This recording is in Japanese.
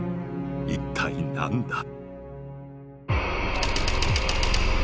一体何だ？